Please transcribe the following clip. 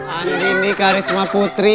ani ini karisma putri